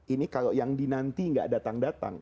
ini kalau yang dinanti gak datang datang